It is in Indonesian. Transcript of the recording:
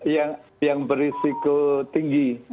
ya yang berisiko tinggi